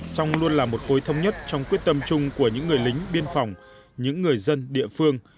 song luôn là một cối thông nhất trong quyết tâm chung của những người lính biên phòng những người dân địa phương